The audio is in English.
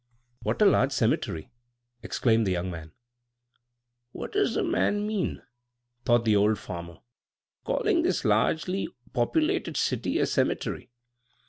"What a large cemetery!" exclaimed the young man. "What does the man mean," thought the old farmer, "calling this largely populated city a cemetery?"